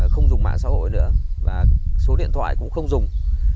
không dùng mạng xã hội nữa và số điện thoại cũng không dùng